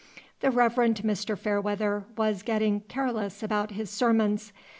The Reverend Mr. Fairweather was getting careless about his sermons.